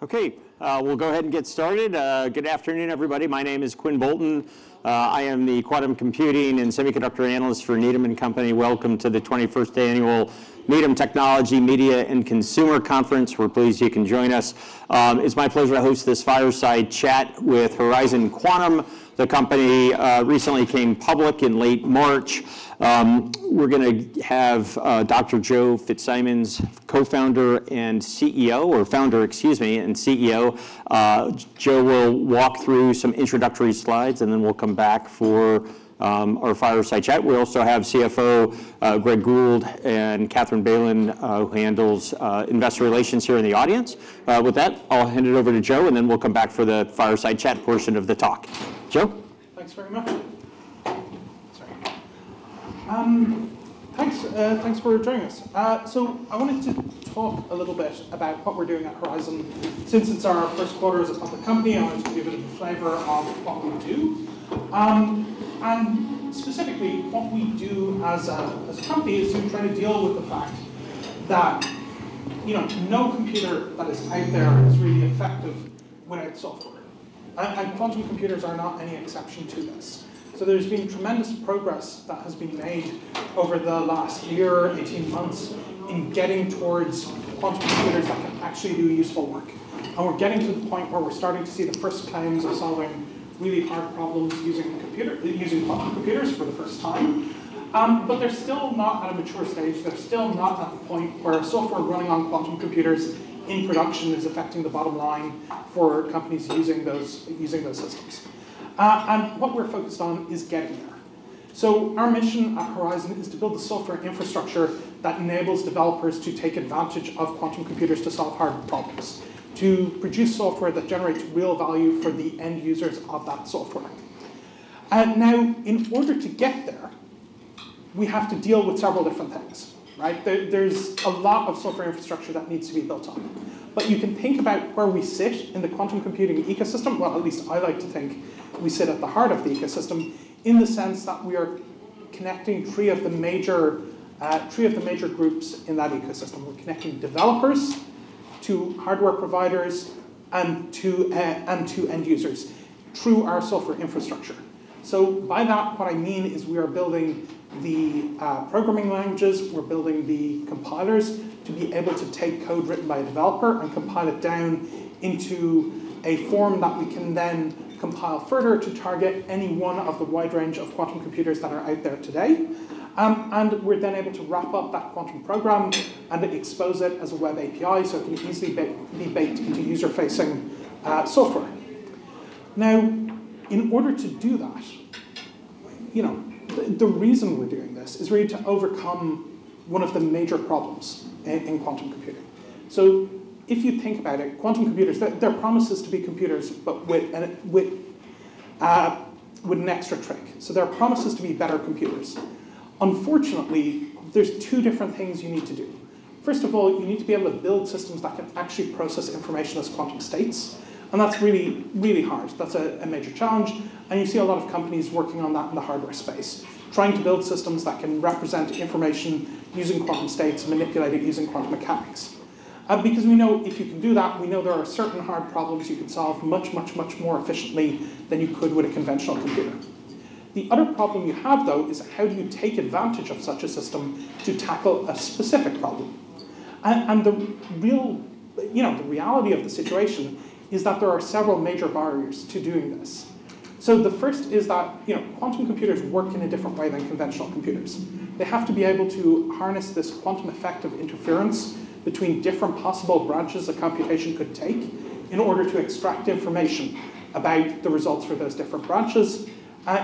Okay, we'll go ahead and get started. Good afternoon, everybody. My name is Quinn Bolton. I am the quantum computing and semiconductor analyst for Needham & Company. Welcome to the 21st annual Needham Technology, Media, & Consumer Conference. We're pleased you can join us. It's my pleasure to host this fireside chat with Horizon Quantum. The company recently came public in late March. We're gonna have Dr. Joe Fitzsimons, co-founder and CEO or founder, excuse me, and CEO. Joe will walk through some introductory slides, and then we'll come back for our fireside chat. We also have CFO Greg Gould and Katherine Bailon, who handles investor relations here in the audience. With that, I'll hand it over to Joe, and then we'll come back for the fireside chat portion of the talk. Joe? Thanks very much. Sorry. Thanks for joining us. I wanted to talk a little bit about what we're doing at Horizon. Since it's our first quarter as a public company, I wanted to give you the flavor of what we do. Specifically, what we do as a company is we try to deal with the fact that, you know, no computer that is out there is really effective without software. Quantum computers are not any exception to this. There's been tremendous progress that has been made over the last year, 18 months, in getting towards quantum computers that can actually do useful work, and we're getting to the point where we're starting to see the first signs of solving really hard problems using quantum computers for the first time. But they're still not at a mature stage. They're still not at the point where software running on quantum computers in production is affecting the bottom line for companies using those systems. What we're focused on is getting there. Our mission at Horizon is to build the software infrastructure that enables developers to take advantage of quantum computers to solve hard problems, to produce software that generates real value for the end users of that software. Now, in order to get there, we have to deal with several different things, right? There's a lot of software infrastructure that needs to be built on. You can think about where we sit in the quantum computing ecosystem. At least I like to think we sit at the heart of the ecosystem in the sense that we are connecting three of the major groups in that ecosystem. We're connecting developers to hardware providers and to end users through our software infrastructure. By that, what I mean is we are building the programming languages, we're building the compilers to be able to take code written by a developer and compile it down into a form that we can then compile further to target any one of the wide range of quantum computers that are out there today. We're then able to wrap up that quantum program and expose it as a web API, so it can easily be baked into user-facing software. In order to do that, you know, the reason we're doing this is really to overcome one of the major problems in quantum computing. If you think about it, quantum computers, they're promises to be computers, but with an extra trick. They're promises to be better computers. Unfortunately, there's two different things you need to do. First of all, you need to be able to build systems that can actually process information as quantum states, and that's really hard. That's a major challenge, and you see a lot of companies working on that in the hardware space, trying to build systems that can represent information using quantum states, manipulate it using quantum mechanics. Because we know if you can do that, we know there are certain hard problems you can solve much, much, much more efficiently than you could with a conventional computer. The other problem you have, though, is how do you take advantage of such a system to tackle a specific problem? The real, you know, the reality of the situation is that there are several major barriers to doing this. The first is that, you know, quantum computers work in a different way than conventional computers. They have to be able to harness this quantum effect of interference between different possible branches a computation could take in order to extract information about the results for those different branches,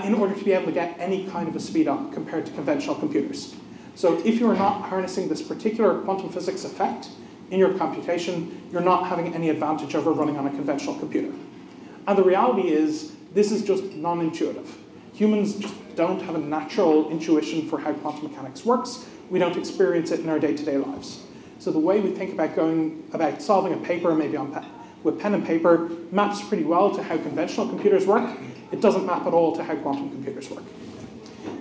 in order to be able to get any kind of a speed-up compared to conventional computers. If you are not harnessing this particular quantum physics effect in your computation, you're not having any advantage over running on a conventional computer. The reality is this is just non-intuitive. Humans just don't have a natural intuition for how quantum mechanics works. We don't experience it in our day-to-day lives. The way we think about solving a paper, maybe with pen and paper, maps pretty well to how conventional computers work. It doesn't map at all to how quantum computers work.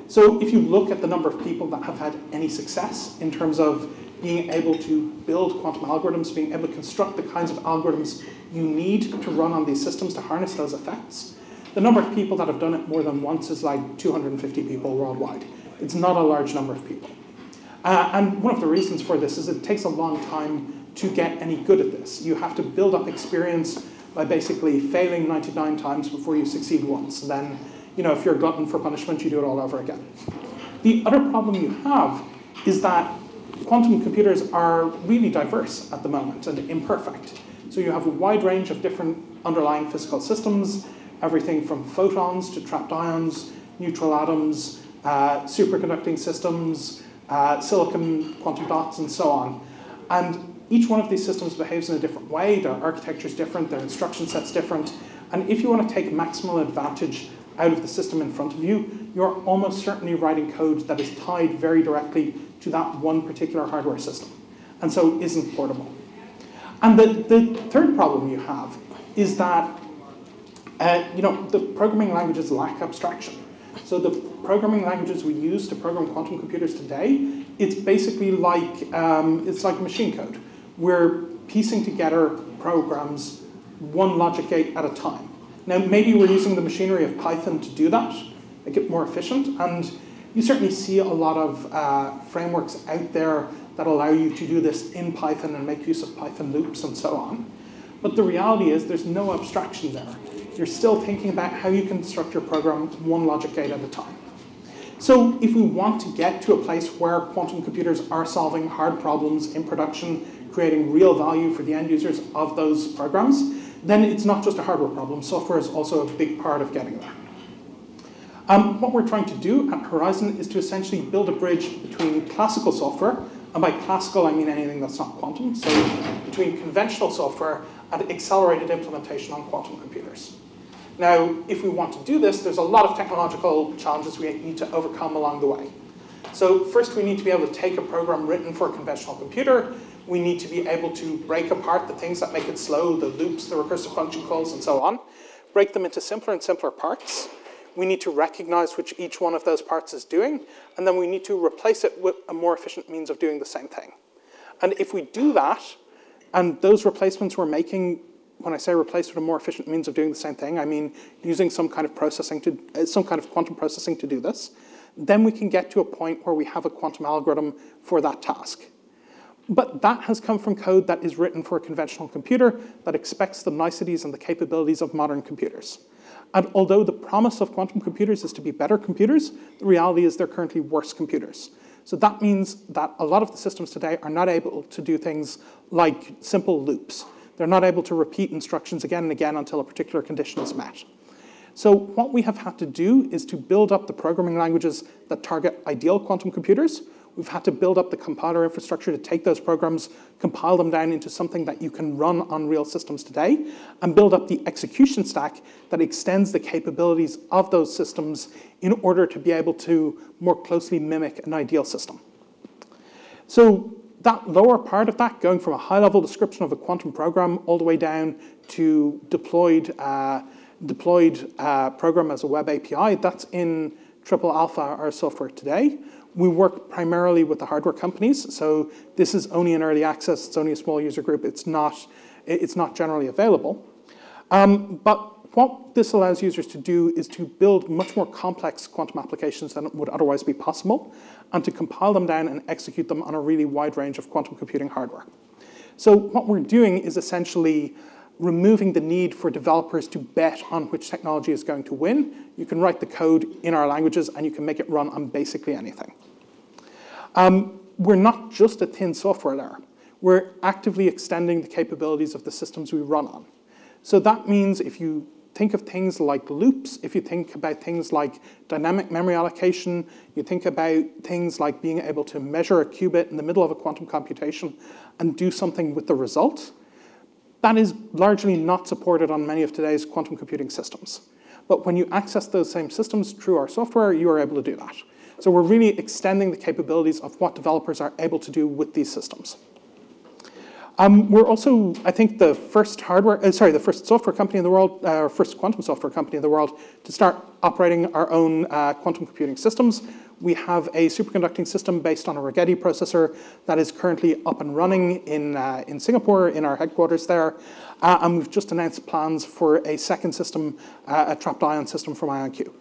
If you look at the number of people that have had any success in terms of being able to build quantum algorithms, being able to construct the kinds of algorithms you need to run on these systems to harness those effects, the number of people that have done it more than once is, like, 250 people worldwide. It's not a large number of people. One of the reasons for this is it takes a long time to get any good at this. You have to build up experience by basically failing 99 times before you succeed once. You know, if you're a glutton for punishment, you do it all over again. The other problem you have is that quantum computers are really diverse at the moment and imperfect. You have a wide range of different underlying physical systems, everything from photons to trapped ions, neutral atoms, superconducting systems, silicon quantum dots, and so on. Each one of these systems behaves in a different way. Their architecture's different. Their instruction set's different. If you wanna take maximal advantage out of the system in front of you're almost certainly writing code that is tied very directly to that one particular hardware system, and so isn't portable. The third problem you have is that, you know, the programming languages lack abstraction. The programming languages we use to program quantum computers today, it's basically like, it's like machine code. We're piecing together programs one logic gate at a time. Maybe we're using the machinery of Python to do that, make it more efficient, and you certainly see a lot of frameworks out there that allow you to do this in Python and make use of Python loops and so on. The reality is there's no abstraction there. You're still thinking about how you construct your program one logic gate at a time. If we want to get to a place where quantum computers are solving hard problems in production, creating real value for the end users of those programs, then it's not just a hardware problem. Software is also a big part of getting there. What we're trying to do at Horizon Quantum is to essentially build a bridge between classical software, and by classical I mean anything that's not quantum, so between conventional software and accelerated implementation on quantum computers. If we want to do this, there's a lot of technological challenges we need to overcome along the way. First, we need to be able to take a program written for a conventional computer, we need to be able to break apart the things that make it slow, the loops, the recursive function calls and so on, break them into simpler and simpler parts. We need to recognize which each one of those parts is doing, and then we need to replace it with a more efficient means of doing the same thing. If we do that, and those replacements we're making, when I say replace with a more efficient means of doing the same thing, I mean using some kind of processing to some kind of quantum processing to do this, then we can get to a point where we have a quantum algorithm for that task. That has come from code that is written for a conventional computer that expects the niceties and the capabilities of modern computers. Although the promise of quantum computers is to be better computers, the reality is they're currently worse computers. That means that a lot of the systems today are not able to do things like simple loops. They're not able to repeat instructions again and again until a particular condition is met. What we have had to do is to build up the programming languages that target ideal quantum computers. We've had to build up the compiler infrastructure to take those programs, compile them down into something that you can run on real systems today, and build up the execution stack that extends the capabilities of those systems in order to be able to more closely mimic an ideal system. That lower part of that, going from a high-level description of a quantum program all the way down to deployed program as a web API, that's in Triple Alpha, our software today. We work primarily with the hardware companies, so this is only in early access. It's only a small user group. It's not generally available. What this allows users to do is to build much more complex quantum applications than would otherwise be possible, and to compile them down and execute them on a really wide range of quantum computing hardware. What we're doing is essentially removing the need for developers to bet on which technology is going to win. You can write the code in our languages, and you can make it run on basically anything. We're not just a thin software layer. We're actively extending the capabilities of the systems we run on. That means if you think of things like loops, if you think about things like dynamic memory allocation, you think about things like being able to measure a qubit in the middle of a quantum computation and do something with the result, that is largely not supported on many of today's quantum computing systems. When you access those same systems through our software, you are able to do that. We're really extending the capabilities of what developers are able to do with these systems. We're also, I think, the first software company in the world, or first quantum software company in the world to start operating our own quantum computing systems. We have a superconducting system based on a Rigetti processor that is currently up and running in Singapore in our headquarters there. And we've just announced plans for a second system, a trapped ion system from IonQ.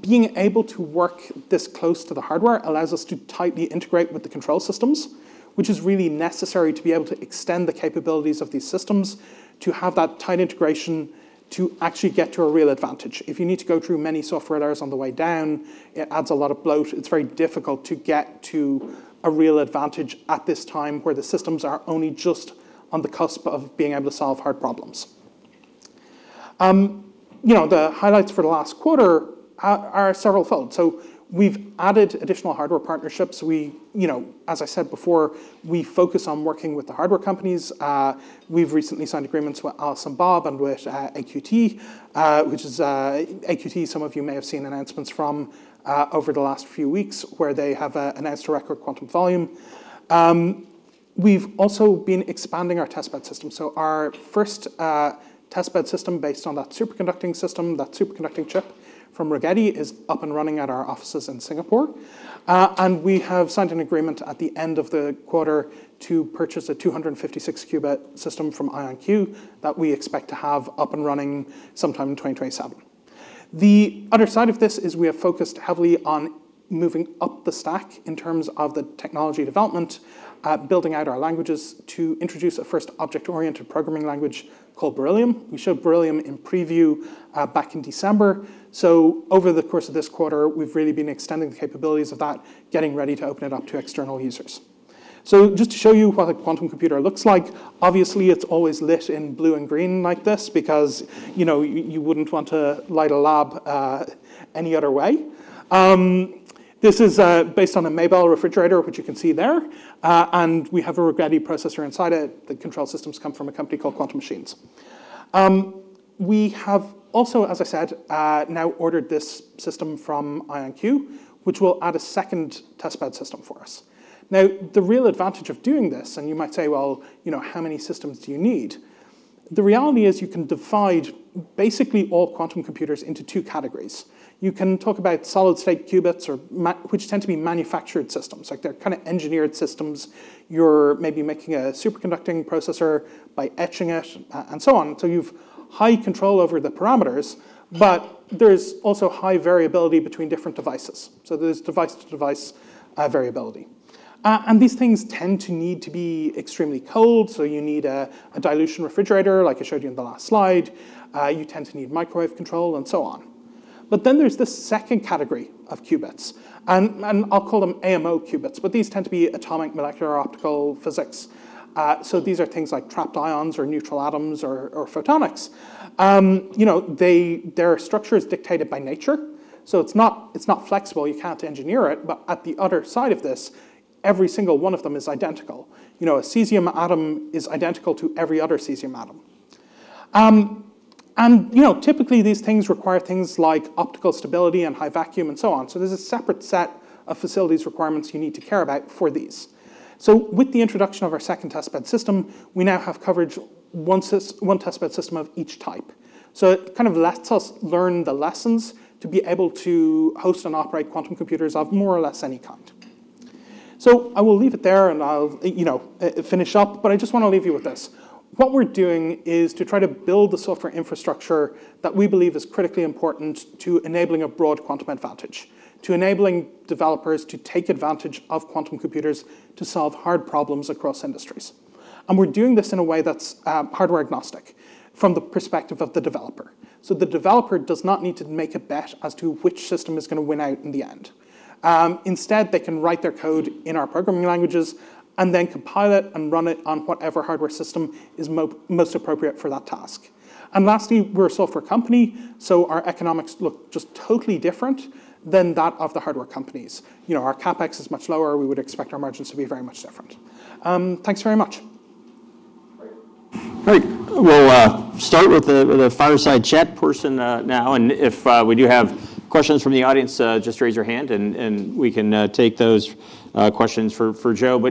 Being able to work this close to the hardware allows us to tightly integrate with the control systems, which is really necessary to be able to extend the capabilities of these systems, to have that tight integration to actually get to a real advantage. If you need to go through many software layers on the way down, it adds a lot of bloat. It's very difficult to get to a real advantage at this time where the systems are only just on the cusp of being able to solve hard problems. You know, the highlights for the last quarter are severalfold. We've added additional hardware partnerships. We, you know, as I said before, we focus on working with the hardware companies. We've recently signed agreements with Alice & Bob and with AQT, which is AQT some of you may have seen announcements from over the last few weeks where they have announced a record quantum volume. We've also been expanding our testbed system. Our first testbed system based on that superconducting system, that superconducting chip from Rigetti, is up and running at our offices in Singapore. We have signed an agreement at the end of the quarter to purchase a 256 qubit system from IonQ that we expect to have up and running sometime in 2027. The other side of this is we have focused heavily on moving up the stack in terms of the technology development, building out our languages to introduce a first object-oriented programming language called Beryllium. We showed Beryllium in preview back in December. Over the course of this quarter, we've really been extending the capabilities of that, getting ready to open it up to external users. Just to show you what a quantum computer looks like, obviously it's always lit in blue and green like this because, you know, you wouldn't want to light a lab any other way. This is based on a Maybell refrigerator, which you can see there. We have a Rigetti processor inside it. The control systems come from a company called Quantum Machines. We have also, as I said, now ordered this system from IonQ, which will add a second testbed system for us. The real advantage of doing this, you might say, "Well, you know, how many systems do you need?" The reality is you can divide basically all quantum computers into two categories. You can talk about solid-state qubits or which tend to be manufactured systems. Like, they're kinda engineered systems. You're maybe making a superconducting processor by etching it and so on. You've high control over the parameters, there's also high variability between different devices. There's device-to-device variability. These things tend to need to be extremely cold, you need a dilution refrigerator, like I showed you in the last slide. You tend to need microwave control and so on. There's the second category of qubits, and I'll call them AMO qubits, these tend to be atomic molecular optical physics. These are things like trapped ions or neutral atoms or photonics. You know, they, their structure is dictated by nature, so it's not, it's not flexible. You can't engineer it. At the other side of this, every single one of them is identical. You know, a cesium atom is identical to every other cesium atom. And you know, typically these things require things like optical stability and high vacuum and so on. There's a separate set of facilities requirements you need to care about for these. With the introduction of our second testbed system, we now have coverage one testbed system of each type. It kind of lets us learn the lessons to be able to host and operate quantum computers of more or less any kind. I will leave it there and I'll, you know, finish up, but I just wanna leave you with this. What we're doing is to try to build the software infrastructure that we believe is critically important to enabling a broad quantum advantage, to enabling developers to take advantage of quantum computers to solve hard problems across industries. We're doing this in a way that's hardware-agnostic from the perspective of the developer. The developer does not need to make a bet as to which system is gonna win out in the end. Instead, they can write their code in our programming languages and then compile it and run it on whatever hardware system is most appropriate for that task. Lastly, we're a software company, so our economics look just totally different than that of the hardware companies. You know, our CapEx is much lower. We would expect our margins to be very much different. Thanks very much. Great. Great. We'll start with the fireside chat portion now, and if we do have questions from the audience, just raise your hand and we can take those questions for Joe.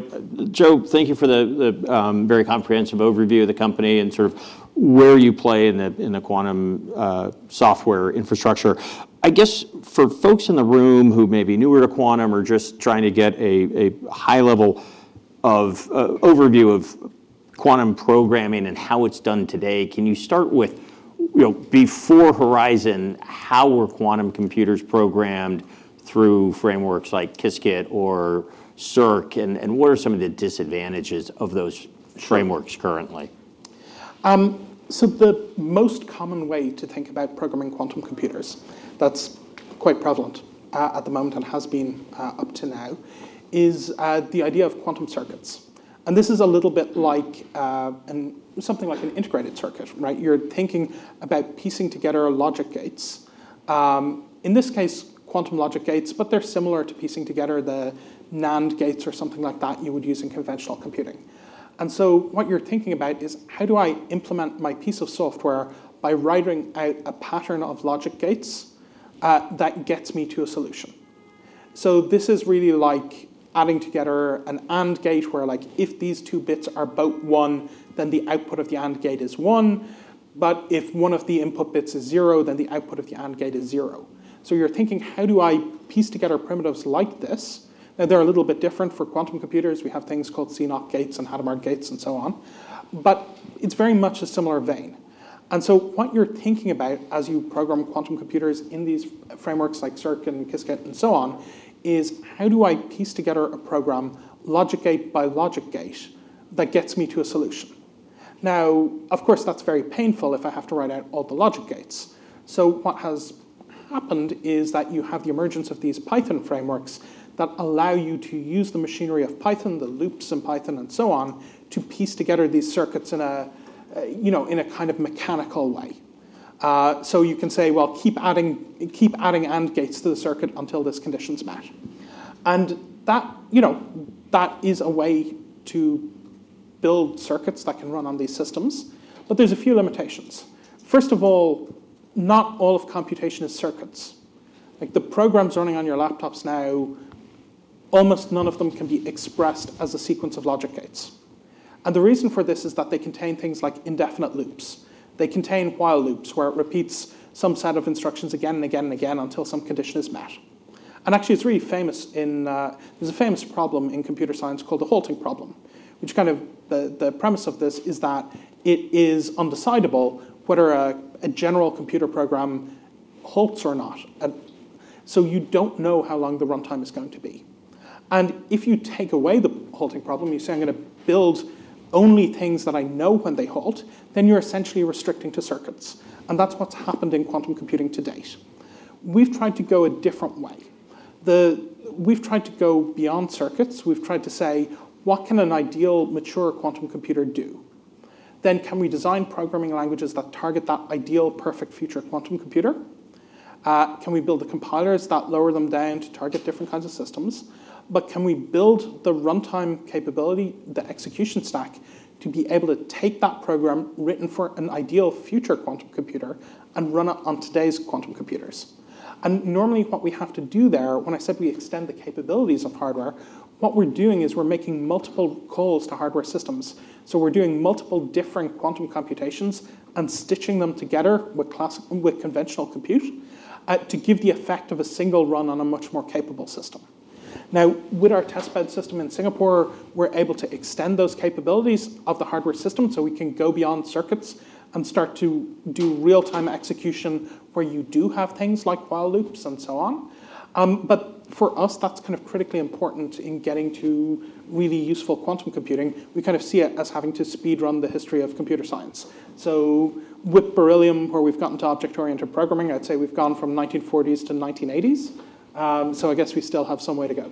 Joe, thank you for the very comprehensive overview of the company and sort of where you play in the quantum software infrastructure. I guess for folks in the room who may be newer to quantum or just trying to get a high level of overview of quantum programming and how it's done today, can you start with, you know, before Horizon, how were quantum computers programmed through frameworks like Qiskit or Cirq, and what are some of the disadvantages of those frameworks currently? The most common way to think about programming quantum computers that's quite prevalent at the moment and has been up to now is the idea of quantum circuits. This is a little bit like something like an integrated circuit, right? You're thinking about piecing together logic gates. In this case, quantum logic gates, but they're similar to piecing together the NAND gates or something like that you would use in conventional computing. What you're thinking about is, "How do I implement my piece of software by writing out a pattern of logic gates that gets me to a solution?" This is really like adding together an AND gate where, like, if these 2 bits are both one, then the output of the AND gate is one. If one of the input bits is zero, then the output of the AND gate is zero. You're thinking, "How do I piece together primitives like this?" They're a little bit different for quantum computers. We have things called CNOT gates and Hadamard gates and so on. It's very much a similar vein. What you're thinking about as you program quantum computers in these frameworks like Cirq and Qiskit and so on is, "How do I piece together a program logic gate by logic gate that gets me to a solution?" Of course, that's very painful if I have to write out all the logic gates. What has happened is that you have the emergence of these Python frameworks that allow you to use the machinery of Python, the loops in Python and so on, to piece together these circuits in a, you know, in a kind of mechanical way. You can say, "Well, keep adding AND gates to the circuit until those conditions match." That, you know, that is a way to build circuits that can run on these systems. There's a few limitations. First of all, not all of computation is circuits. Like, the programs running on your laptops now, almost none of them can be expressed as a sequence of logic gates. The reason for this is that they contain things like indefinite loops. They contain while loops, where it repeats some set of instructions again and again and again until some condition is met. Actually, it's really famous in There's a famous problem in computer science called the halting problem, which kind of, the premise of this is that it is undecidable whether a general computer program halts or not. You don't know how long the runtime is going to be. If you take away the halting problem, you say, "I'm gonna build only things that I know when they halt," then you're essentially restricting to circuits, and that's what's happened in quantum computing to date. We've tried to go a different way. We've tried to go beyond circuits. We've tried to say, "What can an ideal mature quantum computer do?" Can we design programming languages that target that ideal, perfect future quantum computer? Can we build the compilers that lower them down to target different kinds of systems? Can we build the runtime capability, the execution stack, to be able to take that program written for an ideal future quantum computer and run it on today's quantum computers? Normally, what we have to do there, when I said we extend the capabilities of hardware, what we're doing is we're making multiple calls to hardware systems. We're doing multiple different quantum computations and stitching them together with conventional compute to give the effect of a single run on a much more capable system. With our testbed system in Singapore, we're able to extend those capabilities of the hardware system, so we can go beyond circuits and start to do real-time execution where you do have things like while loops and so on. For us, that's kind of critically important in getting to really useful quantum computing. We kind of see it as having to speed run the history of computer science. With Beryllium, where we've gotten to object-oriented programming, I'd say we've gone from 1940s to 1980s. I guess we still have some way to go.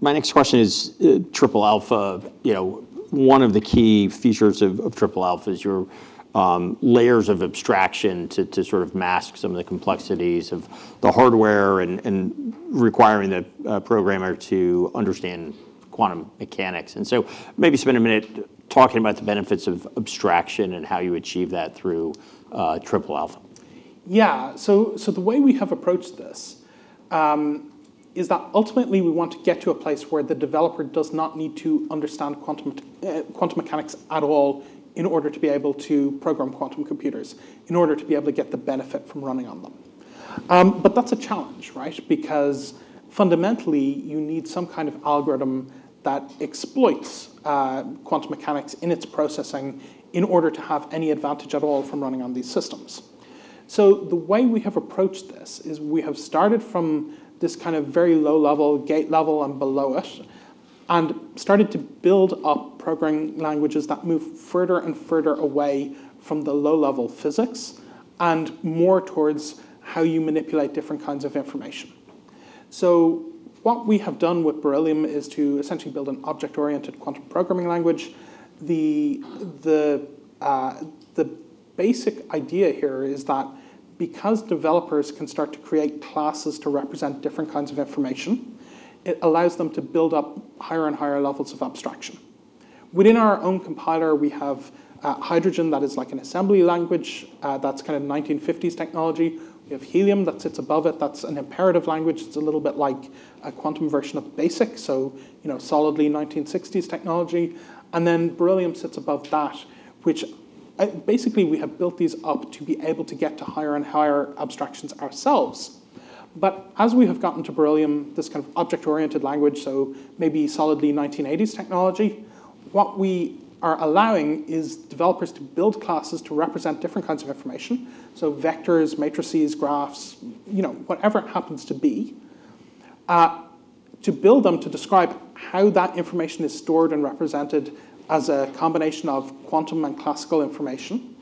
My next question is Triple Alpha. You know, one of the key features of Triple Alpha is your layers of abstraction to sort of mask some of the complexities of the hardware and requiring a programmer to understand quantum mechanics. So maybe spend a minute talking about the benefits of abstraction and how you achieve that through Triple Alpha. The way we have approached this is that ultimately we want to get to a place where the developer does not need to understand quantum mechanics at all in order to be able to program quantum computers, in order to be able to get the benefit from running on them. That's a challenge, right? Fundamentally, you need some kind of algorithm that exploits quantum mechanics in its processing in order to have any advantage at all from running on these systems. The way we have approached this is we have started from this kind of very low level, gate level and below it, and started to build up programming languages that move further and further away from the low-level physics and more towards how you manipulate different kinds of information. What we have done with Beryllium is to essentially build an object-oriented quantum programming language. The basic idea here is that because developers can start to create classes to represent different kinds of information, it allows them to build up higher and higher levels of abstraction. Within our own compiler, we have Hydrogen that is like an assembly language that's kind of 1950s technology. We have Helium that sits above it. That's an imperative language. It's a little bit like a quantum version of Basic, so, you know, solidly 1960s technology. Then Beryllium sits above that, which basically we have built these up to be able to get to higher and higher abstractions ourselves. As we have gotten to Beryllium, this kind of object-oriented language, so maybe solidly 1980s technology, what we are allowing is developers to build classes to represent different kinds of information, so vectors, matrices, graphs, you know, whatever it happens to be, to build them to describe how that information is stored and represented as a combination of quantum and classical information.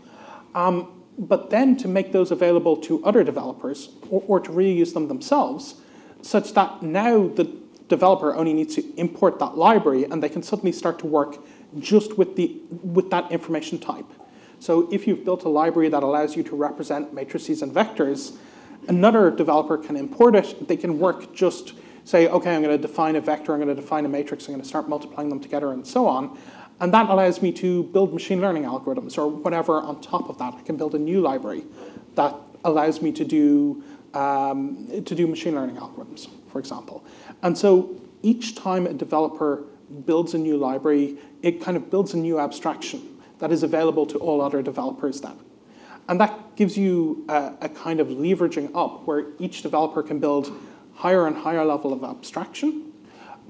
To make those available to other developers or to reuse them themselves, such that now the developer only needs to import that library and they can suddenly start to work just with that information type. If you've built a library that allows you to represent matrices and vectors, another developer can import it. They can work, just say, "Okay, I'm gonna define a vector, I'm gonna define a matrix, I'm gonna start multiplying them together, and so on." That allows me to build machine learning algorithms or whatever on top of that. I can build a new library that allows me to do to do machine learning algorithms, for example. Each time a developer builds a new library, it kind of builds a new abstraction that is available to all other developers then. That gives you a kind of leveraging up, where each developer can build higher and higher level of abstraction,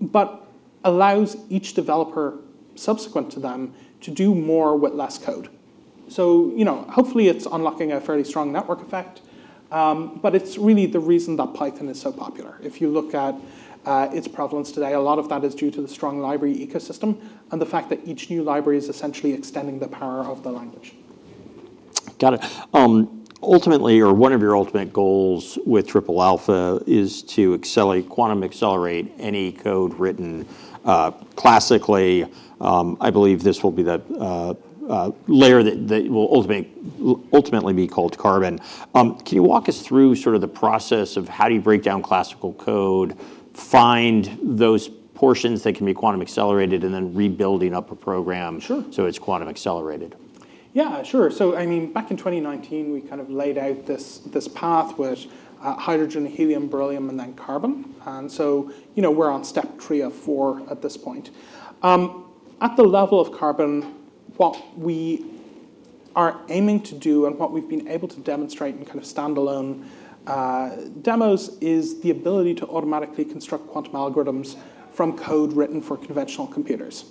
but allows each developer subsequent to them to do more with less code. You know, hopefully it's unlocking a fairly strong network effect. It's really the reason that Python is so popular. If you look at its prevalence today, a lot of that is due to the strong library ecosystem and the fact that each new library is essentially extending the power of the language. Got it. ultimately or one of your ultimate goals with Triple Alpha is to accelerate, quantum accelerate any code written, classically. I believe this will be the layer that will ultimately be called Carbon. Can you walk us through sort of the process of how do you break down classical code, find those portions that can be quantum accelerated, and then rebuilding up a program? Sure It's quantum accelerated? Yeah, sure. I mean, back in 2019, we kind of laid out this path with Hydrogen, Helium, Beryllium, and then Carbon. You know, we're on step three of four at this point. At the level of Carbon, what we are aiming to do and what we've been able to demonstrate in kind of standalone demos is the ability to automatically construct quantum algorithms from code written for conventional computers.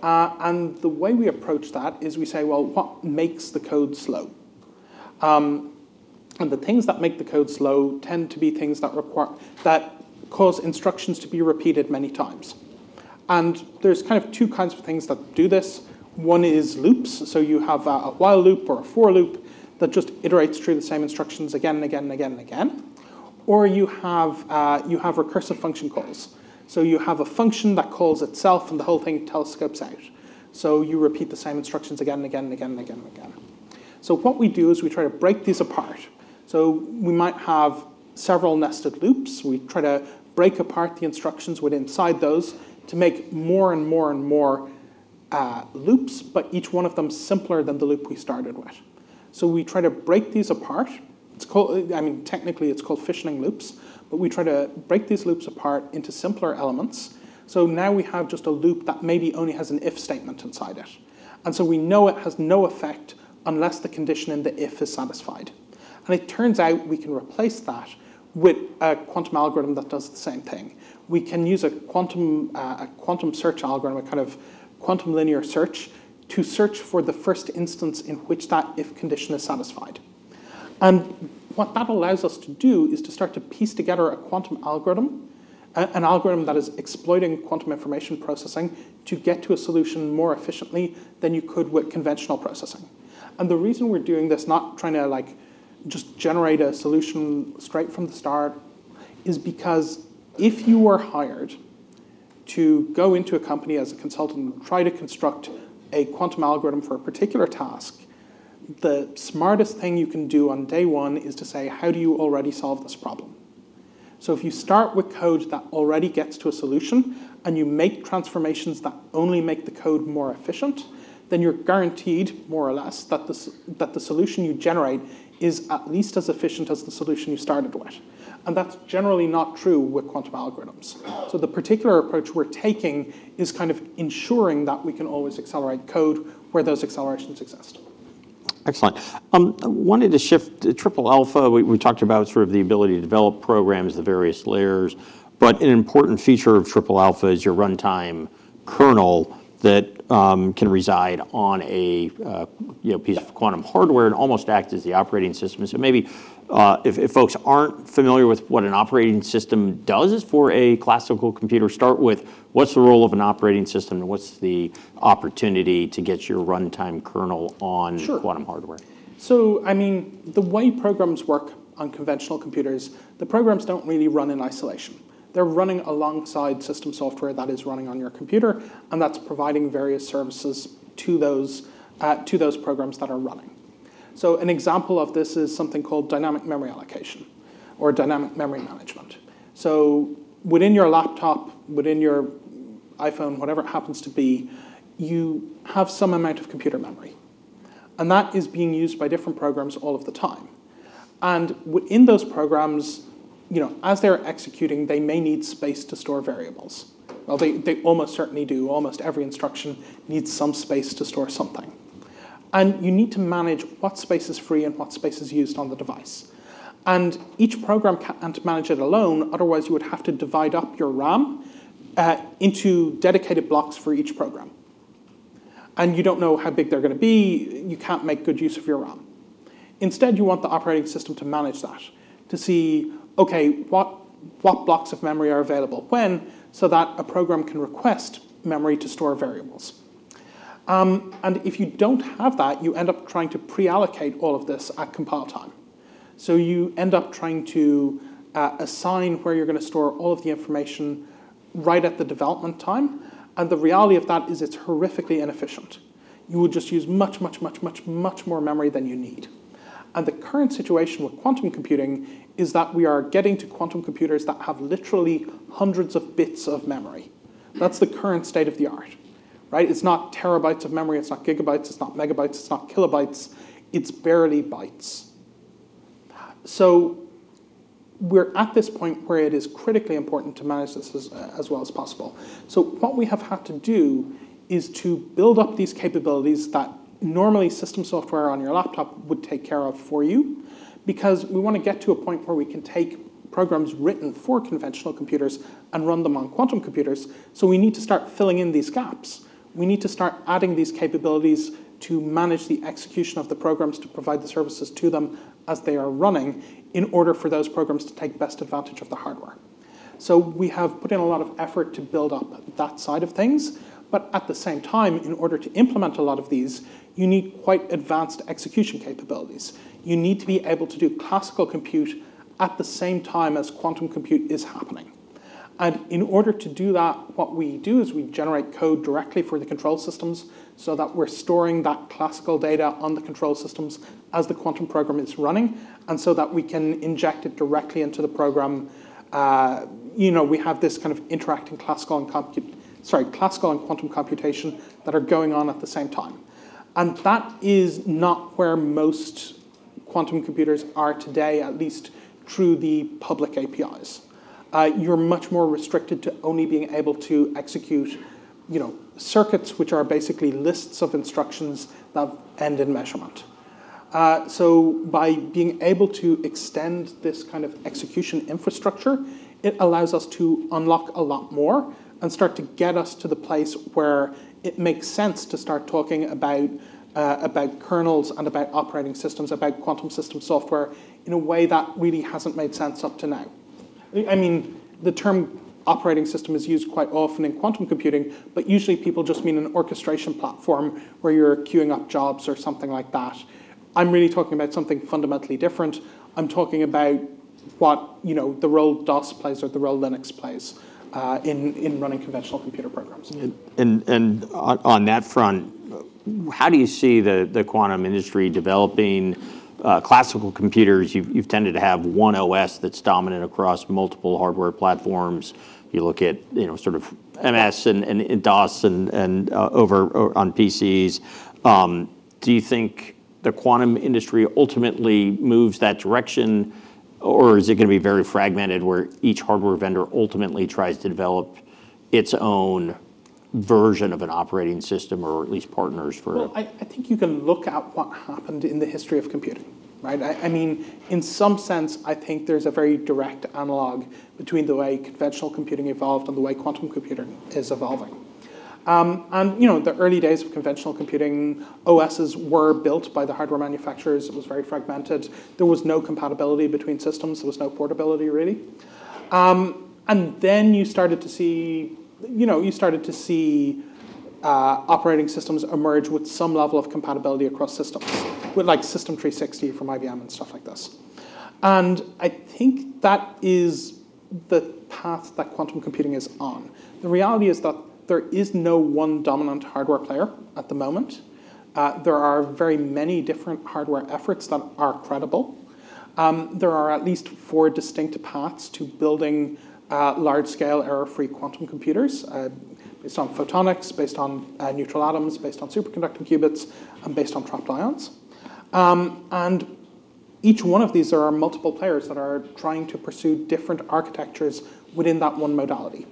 The way we approach that is we say, "Well, what makes the code slow?" The things that make the code slow tend to be things that cause instructions to be repeated many times. There's kind of two kinds of things that do this. One is loops. You have a while loop or a for loop that just iterates through the same instructions again and again and again and again. You have recursive function calls. You have a function that calls itself, and the whole thing telescopes out. You repeat the same instructions again and again and again and again and again. What we do is we try to break these apart. We might have several nested loops. We try to break apart the instructions with inside those to make more and more and more loops, but each one of them simpler than the loop we started with. We try to break these apart. It's called, I mean, technically it's called fissioning loops, but we try to break these loops apart into simpler elements. Now we have just a loop that maybe only has an if statement inside it. We know it has no effect unless the condition in the if is satisfied. It turns out we can replace that with a quantum algorithm that does the same thing. We can use a quantum, a quantum search algorithm, a kind of quantum linear search, to search for the first instance in which that if condition is satisfied. What that allows us to do is to start to piece together a quantum algorithm, an algorithm that is exploiting quantum information processing to get to a solution more efficiently than you could with conventional processing. The reason we're doing this, not trying to, like, just generate a solution straight from the start, is because if you were hired to go into a company as a consultant and try to construct a quantum algorithm for a particular task, the smartest thing you can do on day one is to say, "How do you already solve this problem?" If you start with code that already gets to a solution and you make transformations that only make the code more efficient, then you're guaranteed more or less that the solution you generate is at least as efficient as the solution you started with. That's generally not true with quantum algorithms. The particular approach we're taking is kind of ensuring that we can always accelerate code where those accelerations exist. Excellent. I wanted to shift to Triple Alpha. We talked about sort of the ability to develop programs, the various layers, an important feature of Triple Alpha is your runtime kernel that can reside on a, you know, piece of quantum hardware and almost acts as the operating system. Maybe if folks aren't familiar with what an operating system does is for a classical computer, start with what's the role of an operating system and what's the opportunity to get your runtime kernel on- Sure quantum hardware? I mean, the way programs work on conventional computers, the programs don't really run in isolation. They're running alongside system software that is running on your computer, and that's providing various services to those programs that are running. An example of this is something called dynamic memory allocation or dynamic memory management. Within your laptop, within your iPhone, whatever it happens to be, you have some amount of computer memory, and that is being used by different programs all of the time. And in those programs, you know, as they're executing, they may need space to store variables. Well, they almost certainly do. Almost every instruction needs some space to store something. And you need to manage what space is free and what space is used on the device. Each program can't manage it alone, otherwise you would have to divide up your RAM into dedicated blocks for each program. You don't know how big they're gonna be. You can't make good use of your RAM. Instead, you want the operating system to manage that, to see, okay, what blocks of memory are available when, so that a program can request memory to store variables. If you don't have that, you end up trying to pre-allocate all of this at compile time. You end up trying to assign where you're gonna store all of the information right at the development time, and the reality of that is it's horrifically inefficient. You would just use much more memory than you need. The current situation with quantum computing is that we are getting to quantum computers that have literally hundreds of bits of memory. That's the current state of the art, right? It's not terabytes of memory, it's not gigabytes, it's not megabytes, it's not kilobytes, it's barely bytes. We're at this point where it is critically important to manage this as well as possible. What we have had to do is to build up these capabilities that normally system software on your laptop would take care of for you, because we want to get to a point where we can take programs written for conventional computers and run them on quantum computers, so we need to start filling in these gaps. We need to start adding these capabilities to manage the execution of the programs to provide the services to them as they are running in order for those programs to take best advantage of the hardware. We have put in a lot of effort to build up that side of things, but at the same time, in order to implement a lot of these, you need quite advanced execution capabilities. You need to be able to do classical compute at the same time as quantum compute is happening. In order to do that, what we do is we generate code directly for the control systems so that we're storing that classical data on the control systems as the quantum program is running, and so that we can inject it directly into the program. you know, we have this kind of interacting classical and quantum computation that are going on at the same time. That is not where most quantum computers are today, at least through the public APIs. you're much more restricted to only being able to execute, you know, circuits which are basically lists of instructions that end in measurement. By being able to extend this kind of execution infrastructure, it allows us to unlock a lot more and start to get us to the place where it makes sense to start talking about kernels and about operating systems, about quantum system software in a way that really hasn't made sense up to now. I mean, the term operating system is used quite often in quantum computing, but usually people just mean an orchestration platform where you're queuing up jobs or something like that. I'm really talking about something fundamentally different. I'm talking about what, you know, the role DOS plays or the role Linux plays in running conventional computer programs. On that front, how do you see the quantum industry developing, classical computers? You've tended to have one OS that's dominant across multiple hardware platforms. You look at sort of MS and DOS over on PCs. Do you think the quantum industry ultimately moves that direction or is it gonna be very fragmented where each hardware vendor ultimately tries to develop its own version of an operating system or at least partners for? Well, I think you can look at what happened in the history of computing, right? I mean, in some sense, I think there's a very direct analog between the way conventional computing evolved and the way quantum computing is evolving. You know, the early days of conventional computing, OSs were built by the hardware manufacturers. It was very fragmented. There was no compatibility between systems. There was no portability really. Then you started to see, you know, operating systems emerge with some level of compatibility across systems, with, like, System/360 from IBM and stuff like this. I think that is the path that quantum computing is on. The reality is that there is no one dominant hardware player at the moment. There are very many different hardware efforts that are credible. There are at least four distinct paths to building large scale error-free quantum computers, based on photonics, based on neutral atoms, based on superconducting qubits, and based on trapped ions. Each one of these, there are multiple players that are trying to pursue different architectures within that one modality.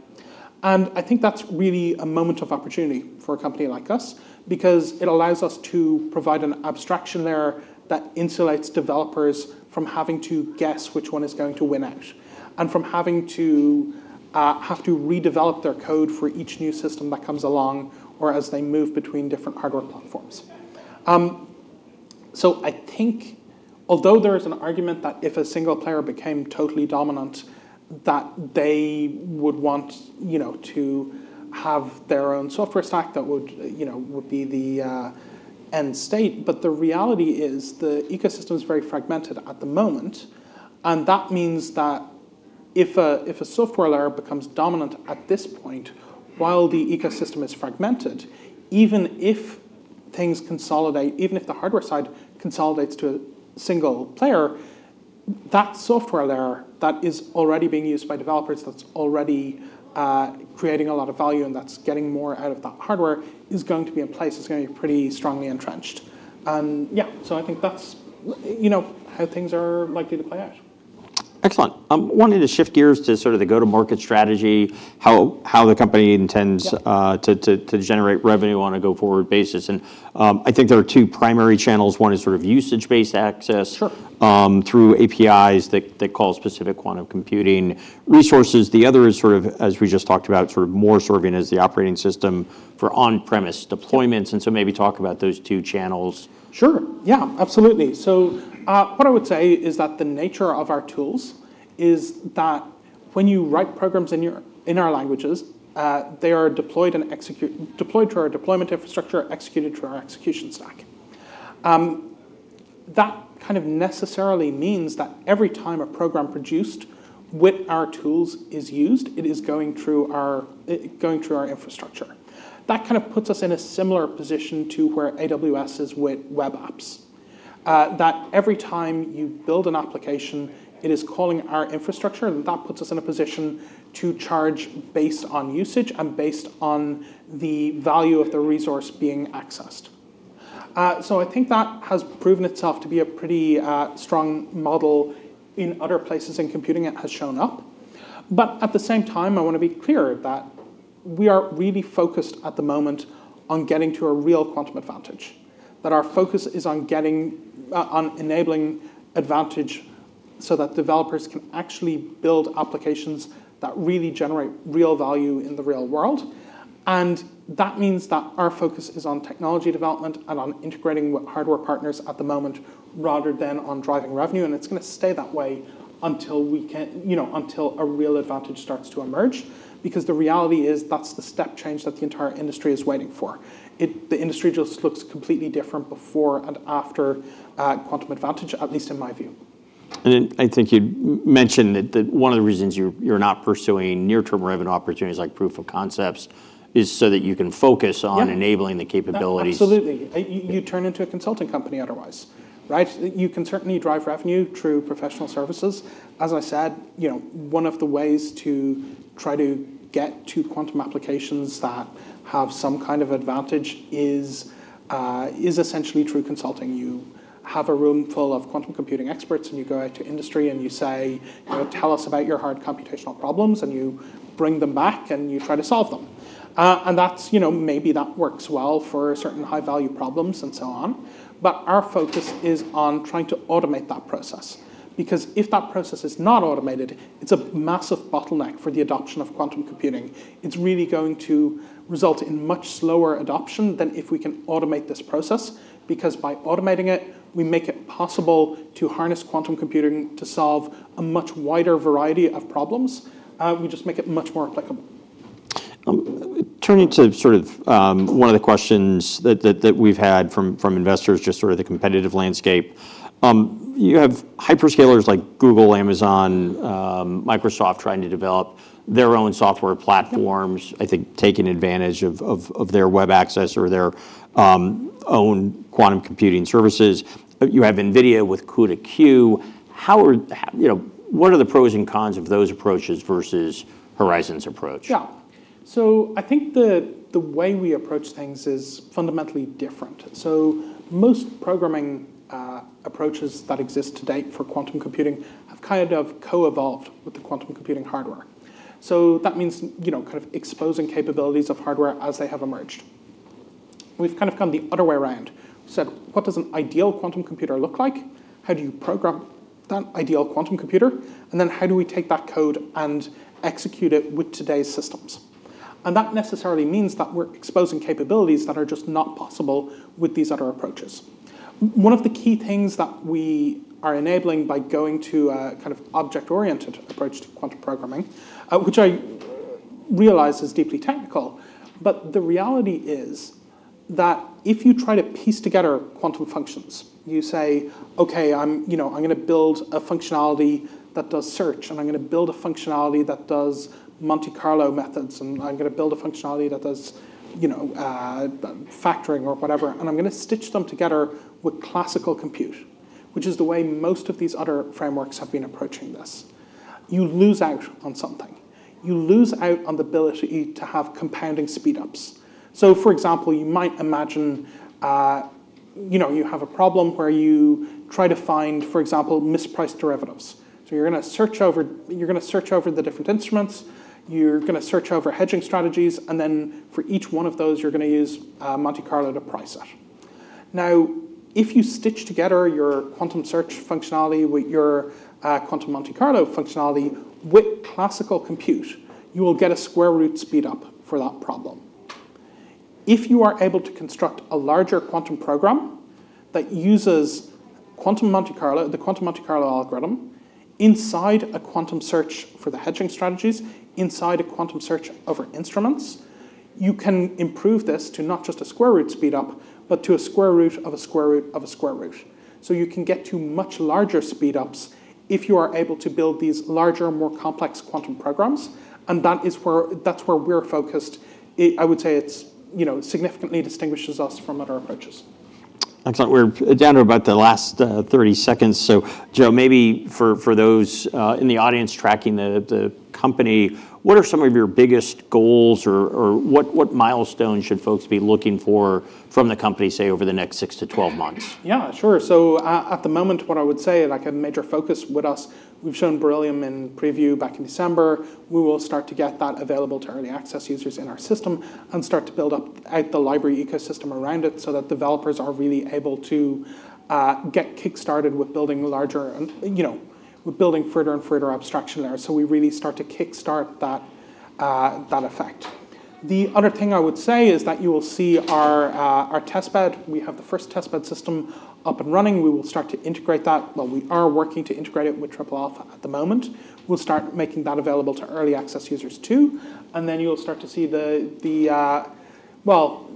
I think that's really a moment of opportunity for a company like us because it allows us to provide an abstraction layer that insulates developers from having to guess which one is going to win out and from having to redevelop their code for each new system that comes along or as they move between different hardware platforms. I think although there is an argument that if a single player became totally dominant that they would want, you know, to have their own software stack that would, you know, would be the end state, but the reality is the ecosystem's very fragmented at the moment, and that means that if a software layer becomes dominant at this point while the ecosystem is fragmented, even if things consolidate, even if the hardware side consolidates to a single player, that software layer that is already being used by developers, that's already creating a lot of value and that's getting more out of that hardware, is going to be in place. It's gonna be pretty strongly entrenched. Yeah, I think that's, you know, how things are likely to play out. Excellent. I'm wanting to shift gears to sort of the go-to-market strategy, how the company intends- Yeah to generate revenue on a go-forward basis. I think there are two primary channels. One is sort of usage-based access. Sure Through APIs that call specific quantum computing resources. The other is, as we just talked about, more serving as the operating system for on-premise deployments. Maybe talk about those two channels. Sure. Yeah, absolutely. What I would say is that the nature of our tools is that when you write programs in our languages, they are deployed to our deployment infrastructure, executed through our execution stack. That kind of necessarily means that every time a program produced with our tools is used, it is going through our infrastructure. That kind of puts us in a similar position to where AWS is with web apps, that every time you build an application, it is calling our infrastructure, and that puts us in a position to charge based on usage and based on the value of the resource being accessed. I think that has proven itself to be a pretty strong model in other places in computing it has shown up. At the same time, I wanna be clear that we are really focused at the moment on getting to a real quantum advantage, that our focus is on getting on enabling advantage so that developers can actually build applications that really generate real value in the real world. That means that our focus is on technology development and on integrating with hardware partners at the moment rather than on driving revenue, and it's gonna stay that way until we can, you know, until a real advantage starts to emerge. The reality is that's the step change that the entire industry is waiting for. The industry just looks completely different before and after quantum advantage, at least in my view. I think you mentioned that one of the reasons you're not pursuing near-term revenue opportunities like proof of concepts is so that you can focus. Yeah enabling the capabilities. Absolutely. You turn into a consulting company otherwise, right? You can certainly drive revenue through professional services. As I said, you know, one of the ways to try to get to quantum applications that have some kind of advantage is essentially through consulting. You have a room full of quantum computing experts, and you go out to industry and you say, you know, "Tell us about your hard computational problems," and you bring them back, and you try to solve them. That's, you know, maybe that works well for certain high-value problems and so on. Our focus is on trying to automate that process. Because if that process is not automated, it's a massive bottleneck for the adoption of quantum computing. It's really going to result in much slower adoption than if we can automate this process. By automating it, we make it possible to harness quantum computing to solve a much wider variety of problems. We just make it much more applicable. Turning to sort of, one of the questions that we've had from investors, just sort of the competitive landscape, you have hyperscalers like Google, Amazon, Microsoft trying to develop their own software platforms. Yeah I think taking advantage of their web API or their own quantum computing services. You have NVIDIA with CUDA-Q. How are you know, what are the pros and cons of those approaches versus Horizon's approach? I think the way we approach things is fundamentally different. Most programming approaches that exist to date for quantum computing have kind of co-evolved with the quantum computing hardware. That means, you know, kind of exposing capabilities of hardware as they have emerged. We've kind of gone the other way around. What does an ideal quantum computer look like? How do you program that ideal quantum computer? How do we take that code and execute it with today's systems? That necessarily means that we're exposing capabilities that are just not possible with these other approaches. One of the key things that we are enabling by going to a kind of object-oriented approach to quantum programming, which I realize is deeply technical, but the reality is that if you try to piece together quantum functions, you say, "Okay, I'm, you know, I'm gonna build a functionality that does search, and I'm gonna build a functionality that does Monte Carlo methods, and I'm gonna build a functionality that does, you know, factoring or whatever, and I'm gonna stitch them together with classical compute," which is the way most of these other frameworks have been approaching this. You lose out on something. You lose out on the ability to have compounding speed-ups. For example, you might imagine, you know, you have a problem where you try to find, for example, mispriced derivatives. You're gonna search over, you're gonna search over the different instruments, you're gonna search over hedging strategies, and then for each one of those, you're gonna use Monte Carlo to price it. Now, if you stitch together your quantum search functionality with your quantum Monte Carlo functionality with classical compute, you will get a square root speed-up for that problem. If you are able to construct a larger quantum program that uses quantum Monte Carlo, the quantum Monte Carlo algorithm, inside a quantum search for the hedging strategies, inside a quantum search over instruments, you can improve this to not just a square root speed-up, but to a square root of a square root of a square root. You can get to much larger speed-ups if you are able to build these larger, more complex quantum programs, and that's where we're focused. I would say it's, you know, significantly distinguishes us from other approaches. Excellent. We're down to about the last 30 seconds. Joe, maybe for those in the audience tracking the company, what are some of your biggest goals or what milestones should folks be looking for from the company, say, over the next six to 12 months? Yeah, sure. At the moment, what I would say, like a major focus with us, we've shown Beryllium in preview back in December. We will start to get that available to early access users in our system and start to build up out the library ecosystem around it so that developers are really able to get kickstarted with building larger and, you know, with building further and further abstraction layers. We really start to kickstart that effect. The other thing I would say is that you will see our testbed. We have the first testbed system up and running. We will start to integrate that. Well, we are working to integrate it with Triple Alpha at the moment. We'll start making that available to early access users too, then you'll start to see the,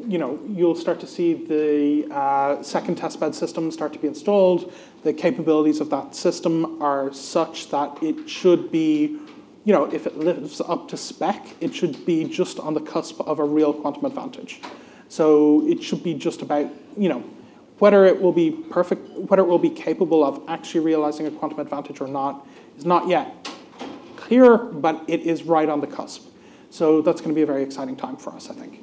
you know, you'll start to see the second testbed system start to be installed. The capabilities of that system are such that it should be, you know, if it lives up to spec, it should be just on the cusp of a real quantum advantage. It should be just about, you know, whether it will be perfect, whether it will be capable of actually realizing a quantum advantage or not is not yet clear, but it is right on the cusp. That's gonna be a very exciting time for us, I think.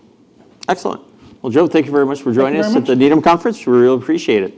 Excellent. Well, Joe, thank you very much for joining us. Thank you very much. at the Needham Conference. We really appreciate it.